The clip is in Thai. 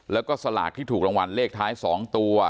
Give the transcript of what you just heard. แล้วก็สลากที่ถูกรางวัลเลขท้าย๒ตัว